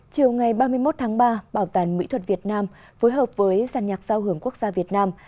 chiều ngày ba mươi một tháng ba bảo tàng mỹ thuật việt nam phối hợp với giàn nhạc giao hưởng quốc gia việt nam